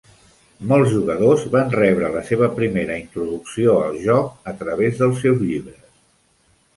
Molts jugadors van rebre la seva primera introducció al joc a través dels seus llibres.